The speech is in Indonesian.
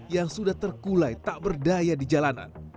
yang sudah terkulai tak berdaya di jalanan